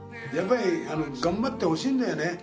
やっぱり頑張ってほしいんだよね。